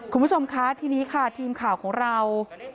คุณผู้ชมคะทีนี้ค่ะทีมข่าวของเรา